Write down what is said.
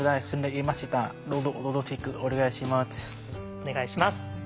お願いします。